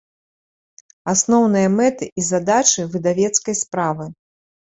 Асноўныя мэты i задачы выдавецкай справы